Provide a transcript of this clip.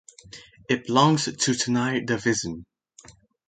It belongs to chennai division.